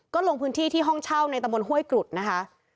ก็ลงพื้นที่ที่ห้องเช่าในตะบนห้วยกรุดนะคะ